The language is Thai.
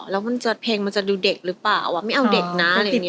แล้วมันจะเพลงมันจะดูเด็กหรือเปล่าไม่เอาเด็กนะอะไรอย่างนี้